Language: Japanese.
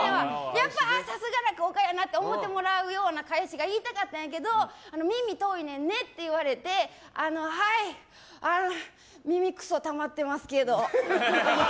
やっぱ、さすが落語家やなと言われるような返しを言いたかったんやけど耳遠いねんねって言われてはい耳くそたまってますけど。